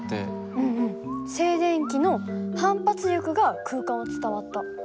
うんうん静電気の反発力が空間を伝わった。